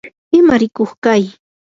imarikuq kay